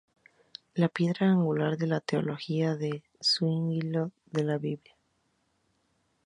La piedra angular de la teología de Zuinglio es la Biblia.